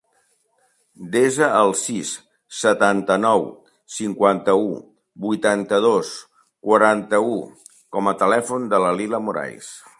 Desa el sis, setanta-nou, cinquanta-u, vuitanta-dos, quaranta-u com a telèfon de la Lila Morais.